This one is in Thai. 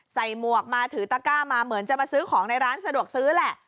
หมวกมาถือตะก้ามาเหมือนจะมาซื้อของในร้านสะดวกซื้อแหละ